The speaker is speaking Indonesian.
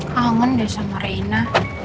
kangen deh sama reina